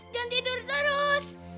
jangan tidur terus